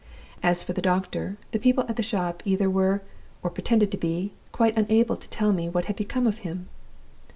As for the doctor, the people at the shop either were, or pretended to be, quite unable to tell me what had become of him.